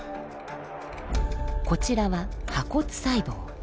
こちらは破骨細胞。